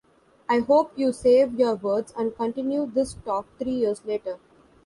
I hope you save your words and continue this talk three years later.